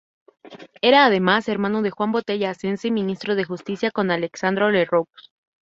Era, además, hermano de Juan Botella Asensi ministro de Justicia con Alejandro Lerroux.